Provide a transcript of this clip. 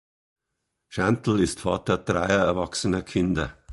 Schandl ist Vater dreier erwachsener Kinder.